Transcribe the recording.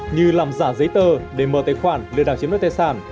như làm giả giấy tờ để mở tài khoản để đảm chiếm đối tài sản